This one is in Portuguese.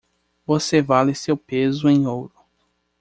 Você vale seu peso em ouro.